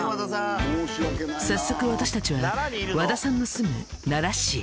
早速私たちは和田さんの住むへ。